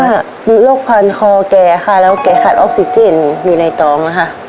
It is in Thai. โดยโรคพันธุ์คลอแกและแกขาดออกซิเจนอยู่ในตอง